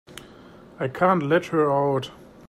I can't let her out.